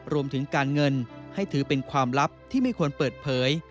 รวมถึงการเงินให้ถือเป็นความลับที่ไม่ควรเปิดเผย